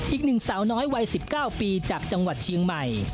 อีกหนึ่งสาวน้อยวัย๑๙ปีจากจังหวัดเชียงใหม่